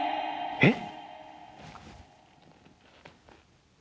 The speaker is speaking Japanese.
えっ！？